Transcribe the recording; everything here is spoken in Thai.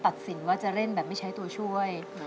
สินว่าจะเล่นแบบไม่ใช้ตัวช่วย